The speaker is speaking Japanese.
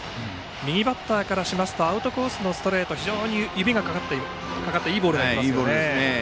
右バッターからしますとアウトコースのストレートは非常に指にかかったいいボールが来ています。